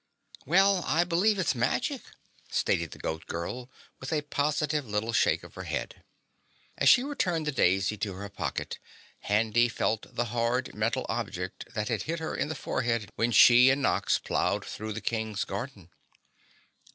"Well, I believe it's magic," stated the Goat Girl, with a positive little shake of her head. As she returned the daisy to her pocket, Handy felt the hard metal object that had hit her in the forehead when she and Nox ploughed through the King's garden.